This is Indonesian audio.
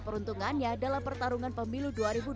peruntungannya dalam pertarungan pemilu